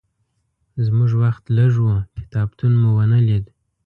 زموږ وخت لږ و، کتابتون مو ونه لید.